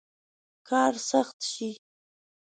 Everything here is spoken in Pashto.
کار سخت شي.